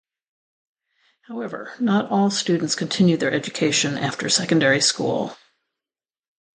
However, not all students continue their education after secondary school.